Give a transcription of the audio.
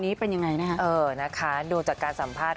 น้องต้องทำงานมากกว่านั้น